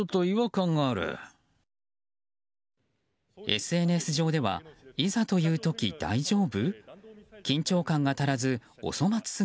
ＳＮＳ上ではいざという時、大丈夫？